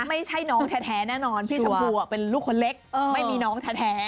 ไม่ใช่น้องแท้แน่นอนพี่ชมพูเป็นลูกคนเล็กไม่มีน้องแท้